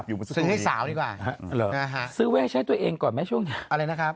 ซื้อให้สาวดีกว่าซื้อไว้ให้ใช้ตัวเองก่อนไหมช่วงอะไรนะครับ